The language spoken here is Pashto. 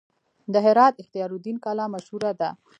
د هرات اختیار الدین کلا مشهوره ده